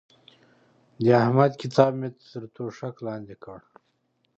د احمد کتاب مې تر توشک لاندې کړ.